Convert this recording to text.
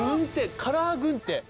カラー軍手。